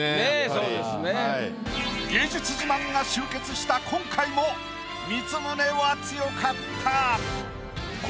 芸術自慢が集結した今回も光宗は強かった。